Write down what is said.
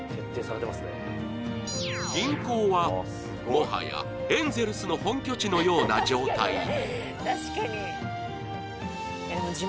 銀行は、もはやエンゼルスの本拠地のような状態に。